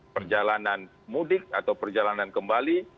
perjalanan mudik atau perjalanan kembali